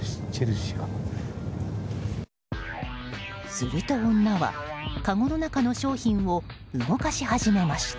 すると女は、かごの中の商品を動かし始めました。